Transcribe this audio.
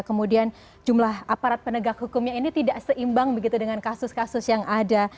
kemudian jumlah aparat penegak hukumnya ini tidak seimbang begitu dengan kasus kasus yang ada